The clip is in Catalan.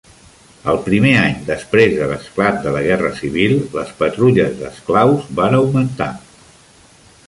El primer any després de l'esclat de la Guerra Civil, les patrulles d'esclaus van augmentar.